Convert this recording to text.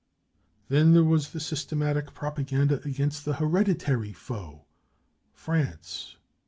} Then there was the systematic propaganda against the I u hereditary foe," France.